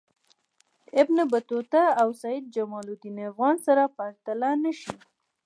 ابن بطوطه او سیدجماالدین افغان سره پرتله نه شي.